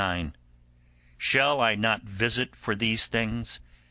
9: 'Shall I not visit for these things?